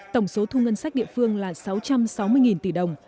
tổng số thu ngân sách địa phương là sáu trăm sáu mươi tỷ đồng